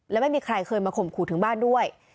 และไม่มีใครเคยมาข่มขู่ถึงบ้านด้วย